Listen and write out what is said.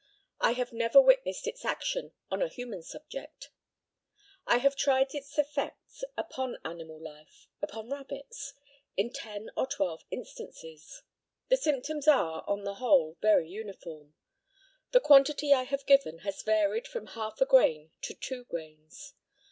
I have never witnessed its action on a human subject. I have tried its effects upon animal life upon rabbits in ten or twelve instances. The symptoms are, on the whole, very uniform. The quantity I have given has varied from half a grain to two grains.